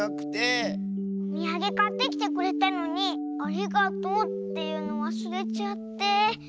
おみやげかってきてくれたのに「ありがとう」っていうのわすれちゃって。